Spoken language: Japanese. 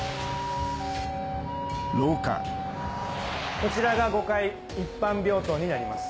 こちらが５階一般病棟になります。